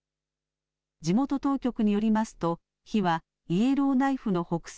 地元当局によりますと、火はイエローナイフの北西